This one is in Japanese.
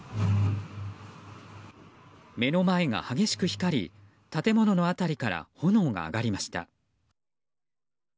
目の前が激しく光り建物の辺りから炎が上がりました。